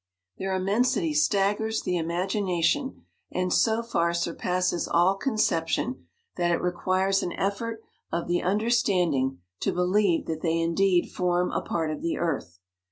Their immensity staggers the imagina tion, and so far surpasses all conception, that it requires an effort of the under standing to believe that they indeed form a part of the earth.